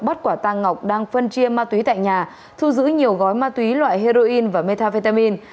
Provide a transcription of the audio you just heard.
bắt quả tang ngọc đang phân chia ma túy tại nhà thu giữ nhiều gói ma túy loại heroin và metafetamin